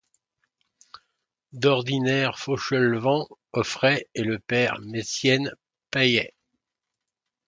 D'ordinaire Fauchelevent offrait, et le père Mestienne payait.